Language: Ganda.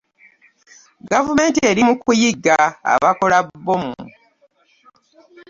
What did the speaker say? Gavumenti eri mu kuyigga abakola bbomu.